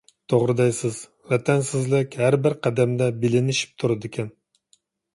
توغرا دەيسىز. ۋەتەنسىزلىك ھەربىر قەدەمدە بىلىنىشىپ تۇرىدىكەن.